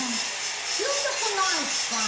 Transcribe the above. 究極のアイスかあ。